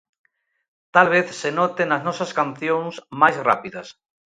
Talvez se note nas nosas cancións máis rápidas.